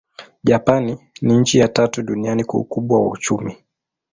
Japani ni nchi ya tatu duniani kwa ukubwa wa uchumi.